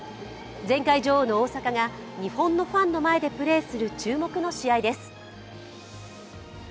前回女王の大坂が日本のファンの前でプレーする注目の試合です。